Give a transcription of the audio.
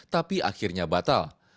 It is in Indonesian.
tapi akhirnya batal